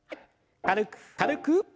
軽く軽く。